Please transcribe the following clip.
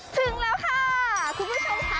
ถึงแล้วค่ะคุณผู้ชมค่ะ